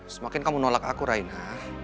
semakin kamu nolak aku raina